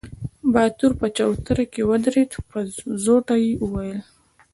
باتور په چوتره کې ودرېد، په زوټه يې وويل: